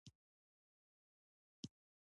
جنرال سوبولیف دا کار نه دی کړی.